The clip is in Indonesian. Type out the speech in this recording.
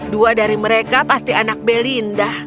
dua dari mereka pasti anak belinda